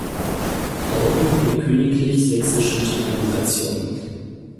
Ordnung der königlich-sächsischen Triangulation.